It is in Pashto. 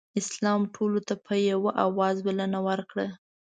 اسلام ټولو ته په یوه اواز بلنه ورکړه.